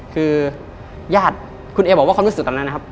คุณเอบอกว่าความรู้สึกตามนั้นนะครับ